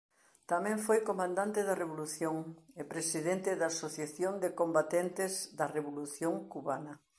Tamén foi comandante da Revolución e presidente da Asociación de Combatentes da Revolución Cubana.